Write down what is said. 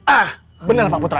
ah bener pak putra